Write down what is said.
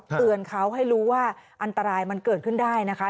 เตือนเขาให้รู้ว่าอันตรายมันเกิดขึ้นได้นะคะ